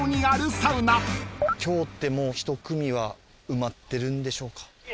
今日ってもう１組は埋まってるんでしょうか？